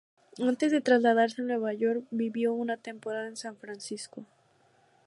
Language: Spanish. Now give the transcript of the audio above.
Antes de trasladarse a Nueva York, vivió una temporada en San Francisco.